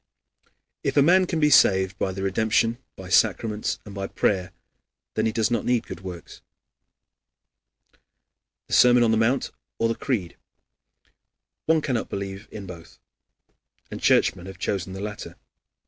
If a man can be saved by the redemption, by sacraments, and by prayer, then he does not need good works. The Sermon on the Mount, or the Creed. One cannot believe in both. And Churchmen have chosen the latter.